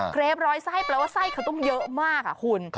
เครปร้อยไส้แปลว่าไส้เขาต้องเยอะมากคุณ